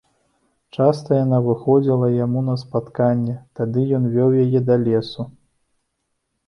Часта яна выходзіла яму на спатканне, тады ён вёў яе да лесу.